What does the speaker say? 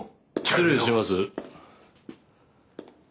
失礼します。